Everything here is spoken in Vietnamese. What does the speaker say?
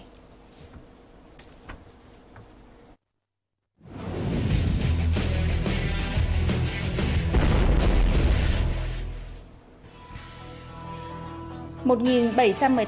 một bảy trăm một mươi tám tỷ đồng là tổng mức đầu tư dự án